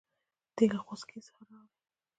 دی له غوڅکۍ څخه رالی.